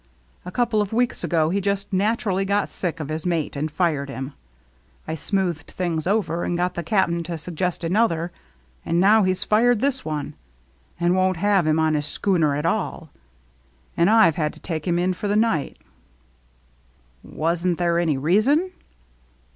A couple of weeks ago he just naturally got sick of his mate and fired him. I smoothed things over and got the Cap'n to suggest another. And now he's fired this one, and won't have him on his schooner at all, — and I've had to take him in for the night." DRAWING TOGETHER 193 " Wasn't there any reason